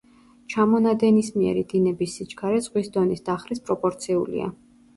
ჩამონადენისმიერი დინების სიჩქარე ზღვის დონის დახრის პროპორციულია.